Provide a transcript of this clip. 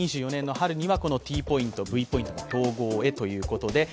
このＴポイント、Ｖポイント統合へということです。